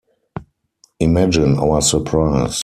Imagine our surprise.